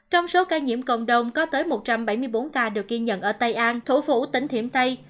trong số ca nhiễm cộng đồng có tới một trăm bảy mươi bốn ca được ghi nhận ở tây an thố phủ tỉnh thiểm tây